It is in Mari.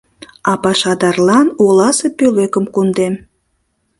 А пашадарлан оласе пӧлекым кондем.